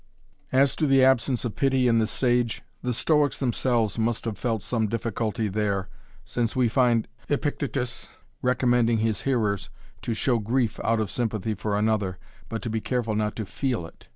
As to the absence of pity in the sage, the Stoics themselves must have felt some difficulty there since we find Epictetus recommending his hearers to show grief out of sympathy for another, but to be careful not to feel it.